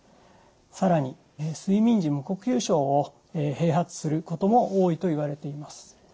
更に睡眠時無呼吸症を併発することも多いといわれています。